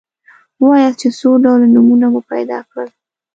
ووایاست چې څو ډوله نومونه مو پیدا کړل.